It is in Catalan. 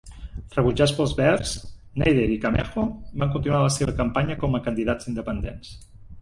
Rebutjats pels Verds, Nader y Camejo van continuar la seva campanya com a candidats independents.